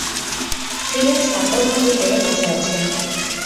ফিরোজ শান্ত ভঙ্গিতে বসে আছে।